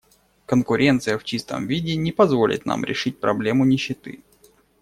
Конкуренция в чистом виде не позволит нам решить проблему нищеты.